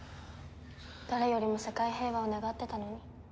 誰よりも世界平和を願ってたのに。